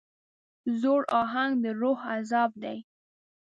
زوړ اهنګ د روح عذاب دی.